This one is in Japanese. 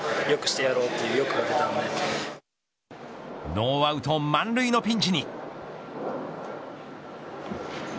ノーアウト満塁のピンチに。